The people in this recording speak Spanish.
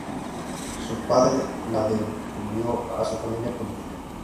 Su padre la devolvió a su familia política.